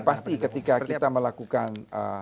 jadi ketika kita melakukan